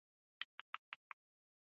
د دوسیې نشتوالی د دفاع حق زیانمنوي.